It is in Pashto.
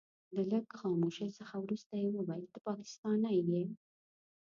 له لږ خاموشۍ څخه وروسته يې وويل ته پاکستانی يې.